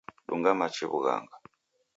Dunga machi w'ughanga.